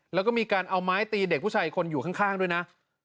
แล้วก็มีการเอาไม้ตีเด็กผู้ชายคนอยู่ข้างด้วยนะ